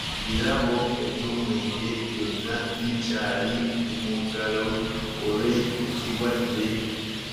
Ebirabo by'omwenge byonna bikyali ku muggalo olw'ekirwadde.